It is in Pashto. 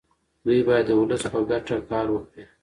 دوی باید د ولس په ګټه کار وکړي.